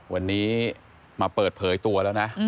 วันนี้มาเปิดเผยตัวแล้วนะ